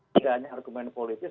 tidak hanya argumen politik